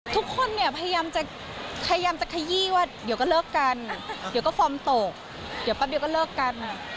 ทุกคนเนี่ยพยายามจะพยายามจะขยี้ว่าเดี๋ยวก็เลิกกันเดี๋ยวก็ฟอร์มตกเดี๋ยวแป๊บเดียวก็เลิกกัน